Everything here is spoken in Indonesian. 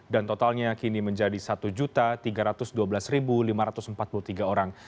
dan totalnya kini menjadi satu tiga ratus dua belas lima ratus empat puluh tiga orang